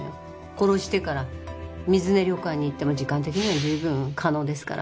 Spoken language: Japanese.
殺してから水根旅館に行っても時間的には十分可能ですから。